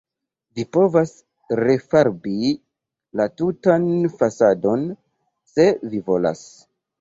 Vi povas refarbi la tutan fasadon, se vi volas.